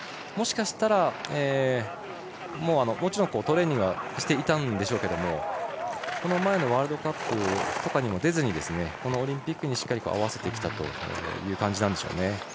もしかしたらもちろんトレーニングはしていたんでしょうけれどもこの前のワールドカップとかにも出ずにこのオリンピックにしっかりと合わせてきた感じなんでしょうかね。